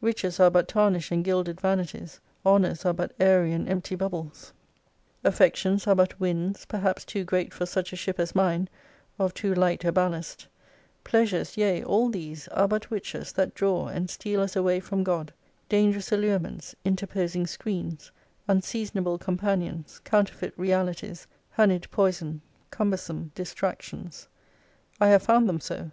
Riches are but tarnish and gilded vanities, honours are but airy and empty bubbles, affections are but winds, perhaps too great for such a ship as mine, of too light a ballast : pleasures, yea, all these, are but witches that draw and steal us away from God ; dangerous allurements, interposing screens, unseasonable companions, counterfeit realities, honied poison, cumbersome distractions. I have found them so.